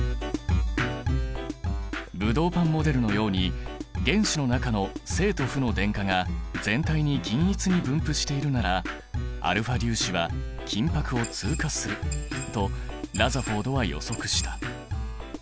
ブドウパンモデルのように原子の中の正と負の電荷が全体に均一に分布しているならα粒子は金ぱくを通過するとラザフォードは予測した。